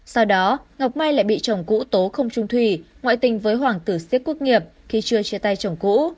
sau đó ngọc mai lại bị chồng cũ tố không trung thủy ngoại tình với hoàng tử siếc quốc nghiệp khi chưa chia tay chồng cũ